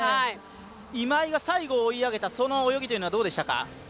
今井が最後追い上げた泳ぎというのはどうでしたか？